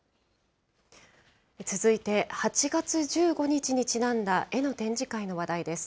続いて８月１５日にちなんだ絵の展示会の話題です。